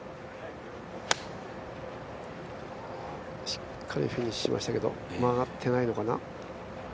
しっかりフィニッシュしましたけと、曲がってないのかな。